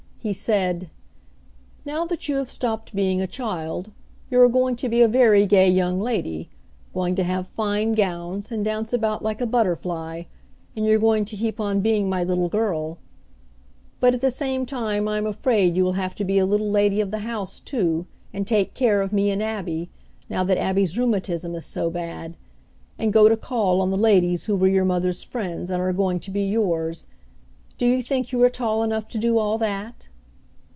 He said, "Now that you have stopped being a child you are going to be a very gay young lady; going to have fine gowns, and dance about like a butterfly; and you're going to keep on being my little girl; but at the same time I am afraid you will have to be a little lady of the house, too, and take care of me, and Abby now that Abby's rheumatism is so bad and go to call on the ladies who were your mother's friends, and are going to be yours. Do you think you are tall enough to do all that?"